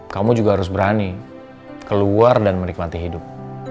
kamu juga harus berani keluar dan menikmati hidup